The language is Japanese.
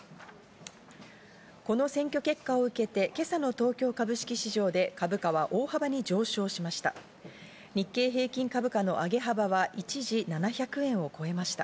この選挙結果を受けて今朝の東京株式市場で株価は大幅に上昇しました。